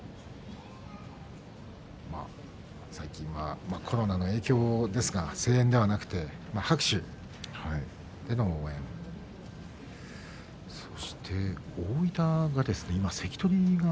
最近はコロナの影響ですが声援ではなく拍手での応援です。